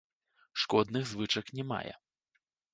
Шкодных звычак не мае.